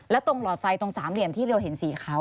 แล้วตรงหลอดไฟตรงสามเหลี่ยมที่เราเห็นสีขาว